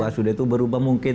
sudah itu berubah mungkin